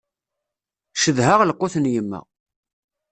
Cedhaɣ lqut n yemma.